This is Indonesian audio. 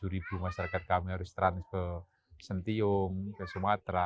dua puluh tujuh ribu masyarakat kami harus terang ke sentiyong ke sumatera